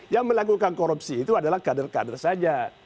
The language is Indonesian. yang melakukan korupsi itu adalah kader kader saja